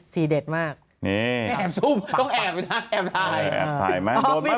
เด็ดมากนี่แอบซุ่มต้องแอบไม่ได้แอบถ่ายแอบถ่ายไหมโดนไหม